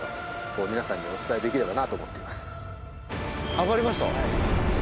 上がりました？